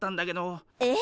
えっ？